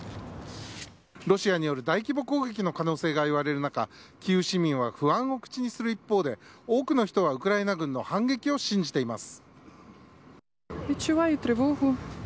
ロシアによる大規模攻撃の可能性がいわれる中キーウ市民は不安を口にする一方で多くの人がウクライナ軍の反撃を信じています。